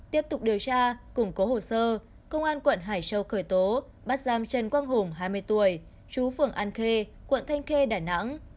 tiếp tục điều tra củng cố hồ sơ công an quận hải châu khởi tố bắt giam trần quang hùng hai mươi tuổi chú phường an khê quận thanh khê đà nẵng